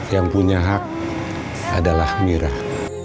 yang punya hak adalah mirah